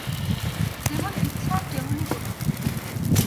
যেমন ইচ্ছা তেমনি বলবেন।